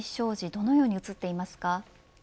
どのように映ってますか。